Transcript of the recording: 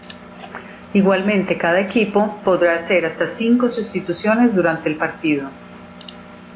Igualmente cada equipo podrá hacer hasta cinco sustituciones durante el partido.